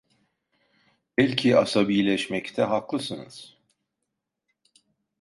Belki asabileşmekte haklısınız!